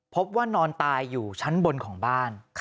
พบว่านอนตายอยู่ชั้นบนของบ้าน